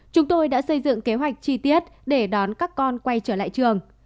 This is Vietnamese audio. chúng tôi đã xây dựng kế hoạch chi tiết để đón các con quay trở lại trường